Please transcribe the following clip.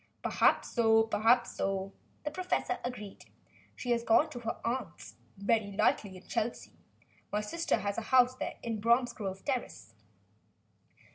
"Perhaps so perhaps so," the professor agreed. "She has gone to her aunt's, very likely, in Chelsea. My sister has a house there in Bromsgrove Terrace."